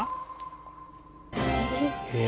すごい。